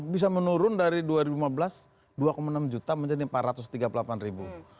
bisa menurun dari dua ribu lima belas dua enam juta menjadi empat ratus tiga puluh delapan ribu